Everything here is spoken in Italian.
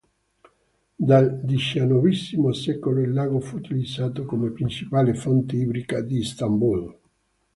Dal diciannovesimo secolo il lago fu utilizzato come principale fonte idrica di Istanbul.